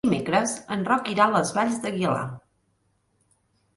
Dimecres en Roc irà a les Valls d'Aguilar.